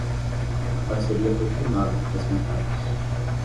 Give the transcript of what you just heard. A parceria foi firmada entre as bancadas